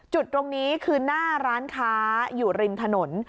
จุดตรงนี้คือหน้าร้านค้าอยู่ริมถนน